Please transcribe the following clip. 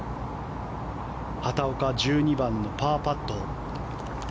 畑岡は１２番のパーパット。